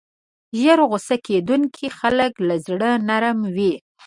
ژر غصه کېدونکي خلک له زړه نرم وي.